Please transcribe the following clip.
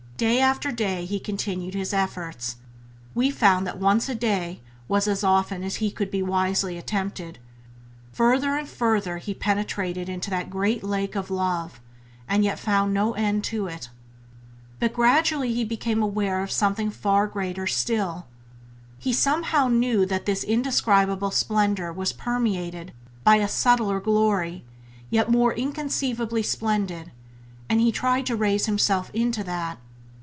Day after day he continued his efforts (we found that once a day was as often as he could be wisely attempted); further and further he penetrated into that great lake of love, and yet found no end to it. But gradually he became aware of something far greater still; he somehow knew that this indescribable splendour was permeated by a subtler glory yet more inconceivably splendid, and he tried to raise himself into that.